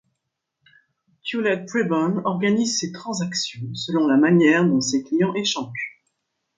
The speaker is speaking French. Tullett Prebon organise ses transactions selon la manière dont ses clients échangent.